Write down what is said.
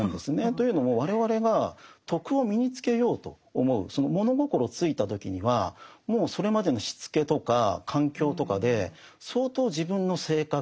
というのも我々が「徳」を身につけようと思うその物心ついた時にはもうそれまでのしつけとか環境とかで相当自分の性格